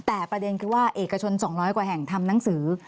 แต่ประเด็นคือว่าเอกชน๒๐๐กว่าแห่งทำหนังสือ